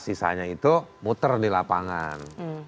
sisanya itu muter di lapangan